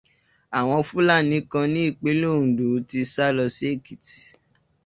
Àwọn Fúlàní kan ní ìpínlẹ̀ Oǹdó ti sá lọ sí Èkìtì